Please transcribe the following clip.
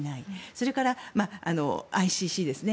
それからＩＣＣですね。